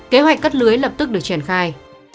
kế hoạch cắt lưới lập tức được triển khai